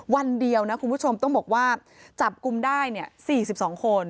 วันเดียวนะคุณผู้ชมต้องบอกว่าจับกลุ่มได้๔๒คน